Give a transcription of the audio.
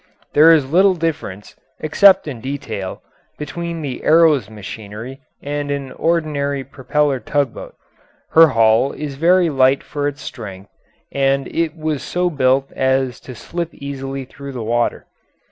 There is little difference, except in detail, between the Arrow's machinery and an ordinary propeller tugboat. Her hull is very light for its strength, and it was so built as to slip easily through the water.